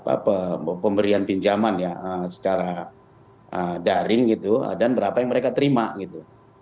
apa pemberian pinjaman ya secara daring gitu dan berapa yang mereka terima gitu